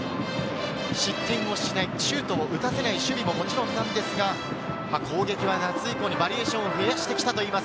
失点をしない、シュート打たせない守備ももちろんなんですが、攻撃は夏以降にバリエーションを増やしてきたといいます。